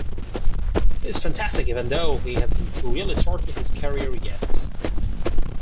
He's fantastic even though he hasn't really started his career yet.